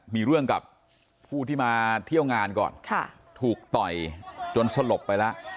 มีเรื่องกับผู้ที่มาเที่ยวงานก่อนถูกต่อยจนสลบไปแล้ว